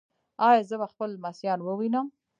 ایا زه به خپل لمسیان ووینم؟